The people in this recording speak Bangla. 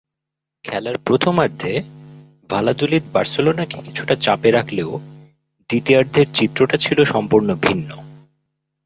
খেলার প্রধমার্ধে ভালাদোলিদ বার্সেলোনাকে কিছুটা চাপে রাখলেও দ্বিতীয়ার্ধের চিত্রটা ছিল সম্পূর্ণ ভিন্ন।